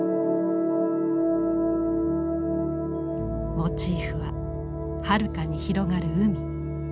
モチーフははるかに広がる海。